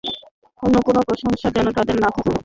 অন্য কোন প্রত্যাশা যেন আমাদের না থাকে।